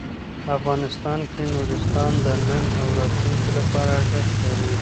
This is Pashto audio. افغانستان کې نورستان د نن او راتلونکي لپاره ارزښت لري.